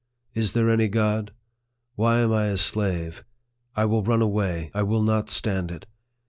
Is there any God ? Why am I a slave ? I will run away. I will not stand it.